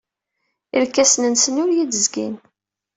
Irkasen-nnes ur iyi-d-zgin.